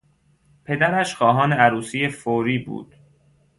پدرش خواهان عروسی فوری بود.